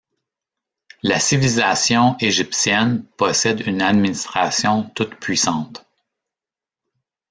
La civilisation égyptienne possède une administration toute-puissante.